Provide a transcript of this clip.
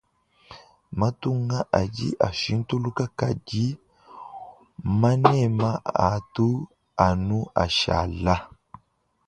Matunga adi ashintuluka kadi manema atu anu ashala.